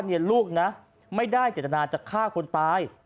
ลูกนะไม่ได้เจตนาจะฆ่าคนตาย